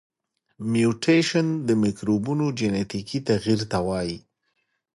میوټیشن د مکروبونو جنیتیکي تغیر ته وایي.